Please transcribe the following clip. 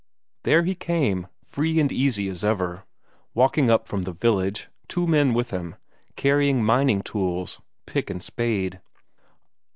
There he came, free and easy as ever, walking up from the village, two men with him, carrying mining tools, pick and spade.